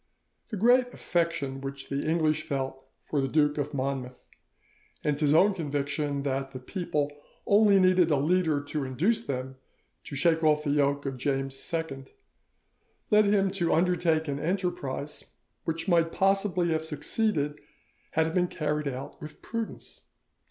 The great affection which the English felt for the Duke of Monmouth, and his own conviction that the people only needed a leader to induce them to shake off the yoke of James II, led him to undertake an enterprise which might possibly have succeeded had it been carried out with prudence.